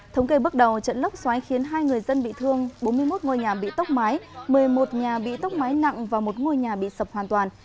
thống kê bước đầu trận lốc xoáy khiến hai người dân bị thương bốn mươi một ngôi nhà bị tốc mái một mươi một nhà bị tốc mái nặng và một ngôi nhà bị sập hoàn toàn